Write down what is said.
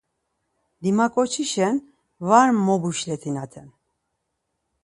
Dimaǩoçişen var mobuşletinaten.